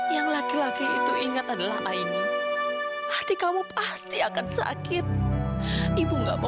sampai jumpa di video selanjutnya